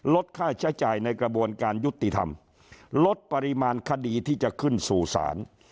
ลดค่าใช้จ่ายในกระบวนการยุติธรรมลดปริมาณคดีที่จะขึ้นสู่ศาล